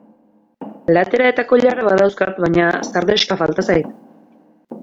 Platera eta koilara badauzkat baina sardexka falta zait.